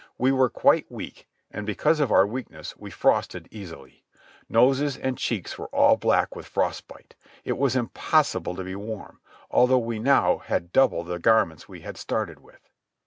We were quite weak, and, because of our weakness, we frosted easily. Noses and cheeks were all black with frost bite. It was impossible to be warm, although we now had double the garments we had started with.